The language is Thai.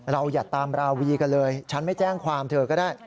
อย่าตามราวีกันเลยฉันไม่แจ้งความเธอก็ได้